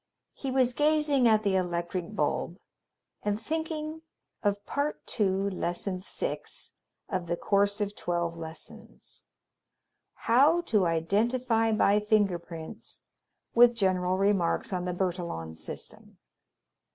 He was gazing at the electric bulb and thinking of Part Two, Lesson Six of the Course of Twelve Lessons "How to Identify by Finger Prints, with General Remarks on the Bertillon System."